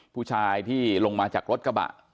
ผู้ชายที่ลงมาจากรถกระบะ